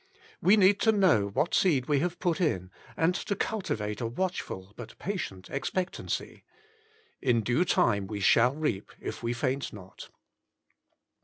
We need to know what seed we have put in, and to cultivate a watchful but patient expectancy. In due time we shall reap, if we faint not.